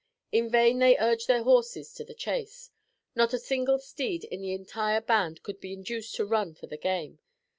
In vain they urged their horses to the chase. Not a single steed in the entire band could be induced to run for the game.